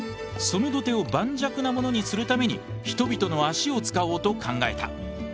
その土手を盤石なものにするために人々の足を使おうと考えた。